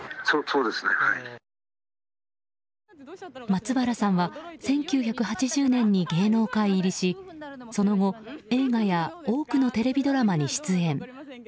松原さんは１９８０年に芸能界入りしその後、映画や多くのテレビドラマに出演。